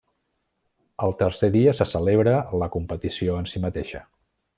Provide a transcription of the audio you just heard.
El tercer dia se celebra la competició en si mateixa.